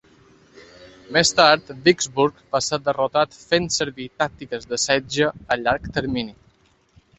Més tard, Vicksburg va ser derrotat fent servir tàctiques de setge a llarg termini.